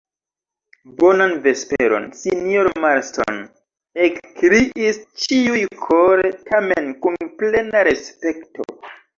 Bonan vesperon, sinjoro Marston, ekkriis ĉiuj kore, tamen kun plena respekto.